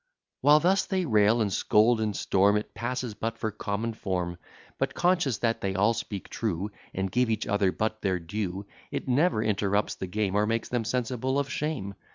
While thus they rail, and scold, and storm, It passes but for common form: But, conscious that they all speak true, And give each other but their due, It never interrupts the game, Or makes them sensible of shame.